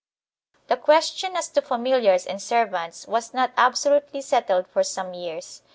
2 The question as to familiars and servants was not absolutely settled for some years.